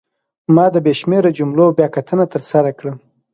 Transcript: ما د بې شمېره جملو بیاکتنه ترسره کړه.